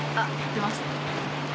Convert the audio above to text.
出ました。